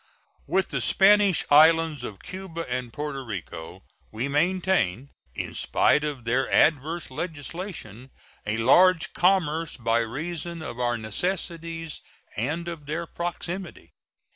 With the Spanish islands of Cuba and Porto Rico we maintain, in spite of their adverse legislation, a large commerce by reason of our necessities and of their proximity.